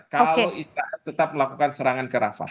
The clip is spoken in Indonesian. kalau israel tetap melakukan serangan ke rafah